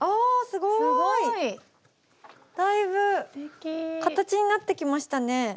すごい！だいぶ形になってきましたね。